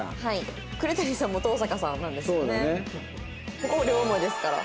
ここ両思いですから。